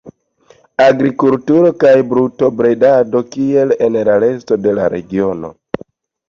Agrikulturo kaj brutobredado, kiel en la resto de la regiono.